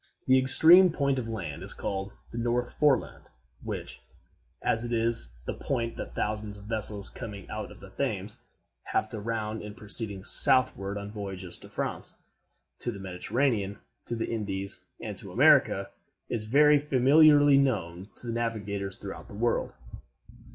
The extreme point of land is called the North Foreland which, as it is the point that thousands of vessels, coming out of the Thames, have to round in proceeding southward on voyages to France, to the Mediterranean, to the Indies, and to America, is very familiarly known to navigators throughout the world.